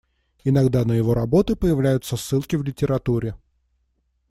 Иногда на его работы появляются ссылки в литературе.